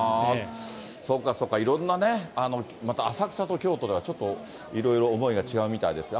そうか、いろんな、また浅草と京都ではちょっといろいろ、思いが違うみたいですが。